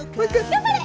頑張れ！